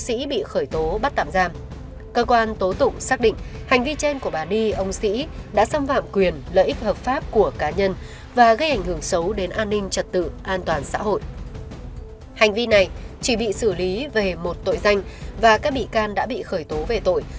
xâm phạm quyền và lợi ích hợp pháp của công ty cổ phần đại nam và quỹ tử thiện hằng hiếu